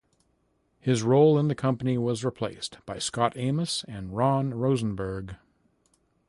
His role in the company was replaced by Scot Amos and Ron Rosenberg.